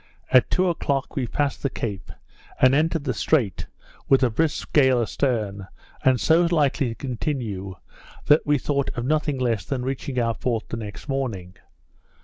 At two o'clock we passed the Cape, and entered the Strait with a brisk gale a stern, and so likely to continue that we thought of nothing less than reaching our port the next morning.